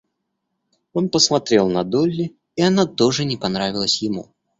Он посмотрел на Долли, и она тоже не понравилась ему.